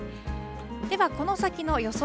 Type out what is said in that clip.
ではこの先の予想